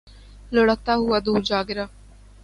لڑھکتا ہوا دور جا گرا